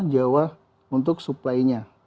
jawa untuk suplainya